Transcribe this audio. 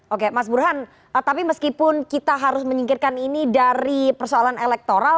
oke mas burhan tapi meskipun kita harus menyingkirkan ini dari persoalan elektoral